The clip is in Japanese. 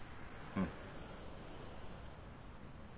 うん？